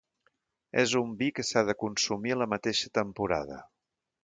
És un vi que s'ha de consumir a la mateixa temporada.